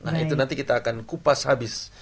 nah itu nanti kita akan kupas habis